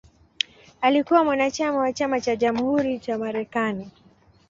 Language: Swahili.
Alikuwa mwanachama wa Chama cha Jamhuri cha Marekani.